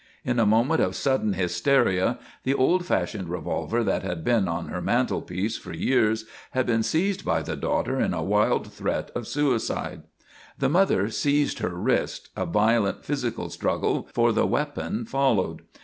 In a moment of sudden hysteria the old fashioned revolver that had been on her mantelpiece for years had been seized by the daughter in a wild threat of suicide. The mother seized her wrist. A violent physical struggle for the weapon followed.